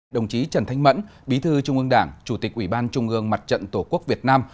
đồng chí trần thanh mẫn bí thư trung ương đảng chủ tịch ủy ban trung ương mặt trận tổ quốc việt nam